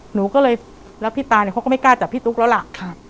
หนูก็เลยแล้วพี่ตาเนี่ยเขาก็ไม่กล้าจับพี่ตุ๊กแล้วล่ะ